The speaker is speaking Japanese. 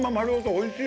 おいしい！